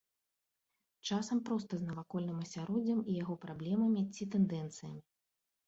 Часам проста з навакольным асяроддзем і яго праблемамі ці тэндэнцыямі.